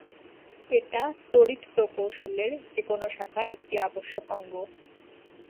এটা তড়িৎ প্রকৌশলের যে কোনো শাখার একটি আবশ্যক অঙ্গ।